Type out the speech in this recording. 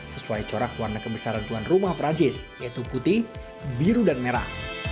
sesuai corak warna kebesaran tuan rumah perancis yaitu putih biru dan merah